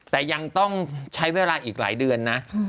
แต่ยังต้องใช้เวลาอีกหลายเดือนนะ